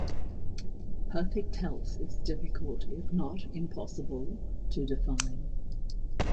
Perfect health is difficult, if not impossible, to define.